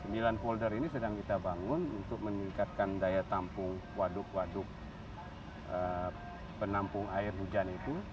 sembilan folder ini sedang kita bangun untuk meningkatkan daya tampung waduk waduk penampung air hujan itu